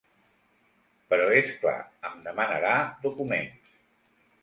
Però és clar, em demanarà documents.